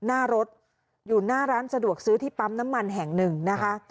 หน้ารถอยู่หน้าร้านสะดวกซื้อที่ปั๊มน้ำมันแห่งหนึ่งนะคะ